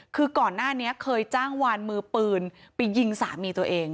คือก่อนหน้านี้เคยจ้างวานมือปืนไปยิงสามีตัวเอง